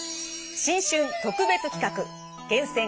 新春特別企画「厳選！